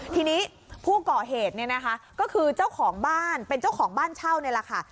ทีนี้ผู้ก่อเหตุก็คือเจ้าของบ้านเป็นเจ้าของบ้านเช่า